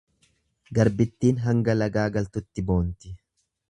Garbittiin hanga lagaa galtutti boonti.